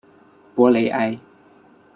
博雷埃。